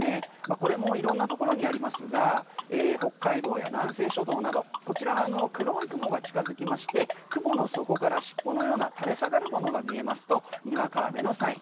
これも色んなところありますが北海道や南西諸島などこちらは黒い雲が近づきまして雲の底から尻尾のような垂れ下がるものが見えますとにわか雨のサイン。